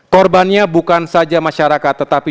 korbannya bukan saja masyarakat tetapi